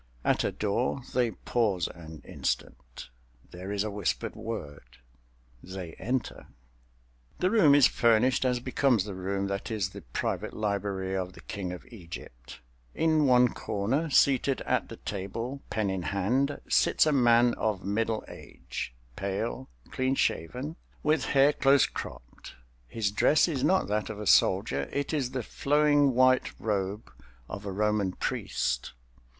At a door they pause an instant, there is a whispered word—they enter. The room is furnished as becomes the room that is the private library of the King of Egypt. In one corner, seated at the table, pen in hand, sits a man of middle age, pale, clean shaven, with hair close cropped. His dress is not that of a soldier—it is the flowing white robe of a Roman Priest.